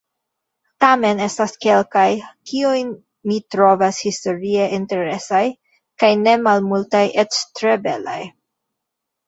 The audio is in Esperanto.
Tamen estas kelkaj, kiujn mi trovas historie interesaj, kaj ne malmultaj eĉ tre belaj.